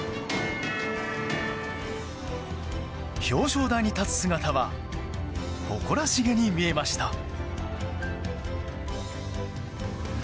表彰台に立つ姿は誇らしげに見えました。